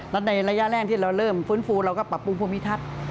และในระยะแรกที่เราเริ่มฟื้นฟูเราก็ปรับปรุงภูมิทัศน์